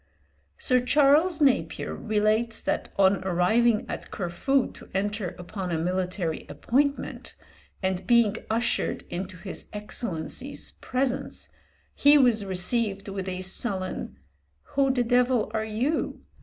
Sir Charles Napier relates that on arriving at Corfu to enter upon a military appointment, and being ushered into his Excellency's presence, he was received with a sullen "Who the devil are you?"